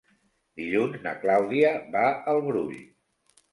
Dilluns na Clàudia va al Brull.